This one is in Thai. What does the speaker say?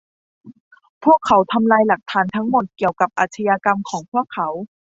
พวกเขาทำลายหลักฐานทั้งหมดเกี่ยวกับอาชญากรรมของพวกเขา